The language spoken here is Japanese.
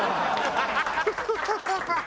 ハハハハ！